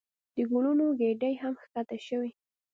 د ګلونو ګېډۍ هم ښکته شوې.